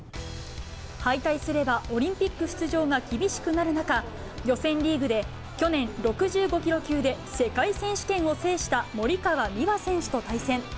敗退すれば、オリンピック出場が厳しくなる中、予選リーグで去年６５キロ級で世界選手権を制した森川美和選手と対戦。